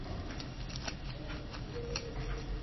مني جھالو متي ني